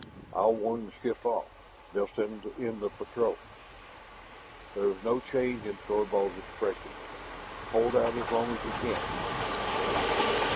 "I'll warn the ship off; they'll send in the patrol." There was no change in Thorvald's expression. "Hold out as long as you can!"